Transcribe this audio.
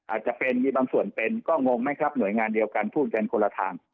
อาจจะเป็นมีบางส่วนเป็นก็งงไหมครับหน่วยงานเดียวกันพูดกันคนละทาง